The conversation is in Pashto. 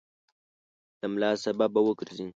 د ملال سبب به وګرځي.